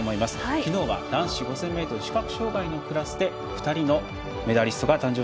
昨日は男子５０００ｍ視覚障がいのクラスで２人のメダリストが誕生。